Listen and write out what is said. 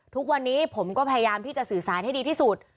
ทุกวันนี้ผมก็พยายามที่จะสื่อสารให้ดีที่สุด